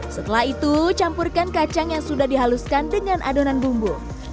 setelah itu campurkan kacang yang sudah dihaluskan dengan adonan bumbu